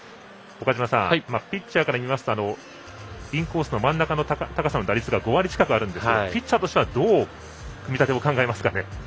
岡島さんピッチャーから見ますとインコース真ん中の高さの打率が５割近くあるんですけれどもピッチャーとしてはどう組み立てを考えますかね。